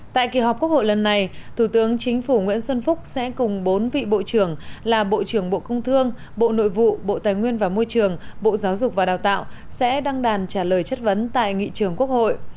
tại kỳ họp quốc hội lần này thủ tướng chính phủ nguyễn xuân phúc sẽ cùng bốn vị bộ trưởng là bộ trưởng bộ công thương bộ nội vụ bộ tài nguyên và môi trường bộ giáo dục và đào tạo sẽ đăng đàn trả lời chất vấn tại nghị trường quốc hội